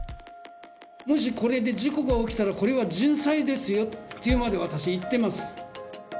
「もしこれで事故が起きたらこれは人災ですよ」っていうまで私言ってます。